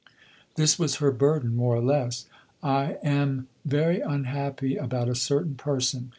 This was her burden, more or less. "I am very unhappy about a certain person.